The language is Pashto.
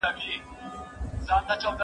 زه پرون کتابتون ته وم!.